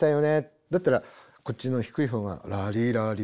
だったらこっちの低いほうが「ラリラリラララ」って。